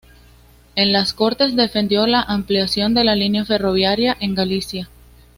En las Cortes defendió la ampliación de la línea ferroviaria en Galicia.